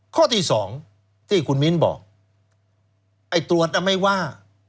ข้อที่สองที่คุณมิ้นบอกไอ้ตรวจน่ะไม่ว่า